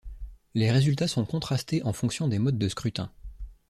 Les résultats sont contrastés en fonction des modes de scrutin.